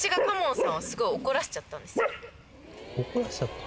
怒らせちゃった？